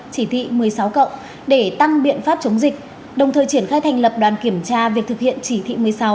chỉ thị một mươi sáu để tăng biện pháp chống dịch đồng thời triển khai thành lập đoàn kiểm tra việc thực hiện chỉ thị một mươi sáu